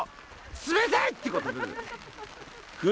冷たい！ってことで。